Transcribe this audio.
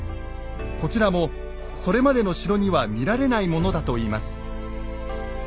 こちらもそれまでの城には見られないものだといいます。